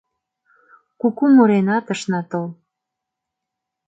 Куку муренат ышна тол